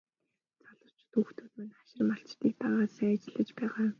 Залуучууд хүүхдүүд маань хашир малчдыг дагаад сайн ажиллаж байгаа.